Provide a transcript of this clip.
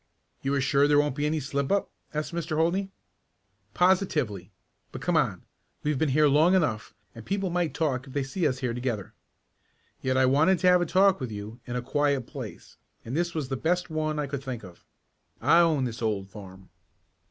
"You are sure there won't be any slip up?" asked Mr. Holdney. "Positively. But come on. We've been here long enough and people might talk if they saw us here together. Yet I wanted to have a talk with you in a quiet place, and this was the best one I could think of. I own this old farm."